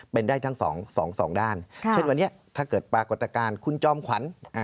เป็นได้ทั้งสองด้านเช่นวันนี้ถ้าเกิดปรากฏการณ์คุณจอมขวัญ